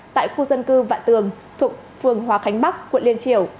tại khu dân cư vạn tường thuộc phường hòa khánh bắc quận liên triều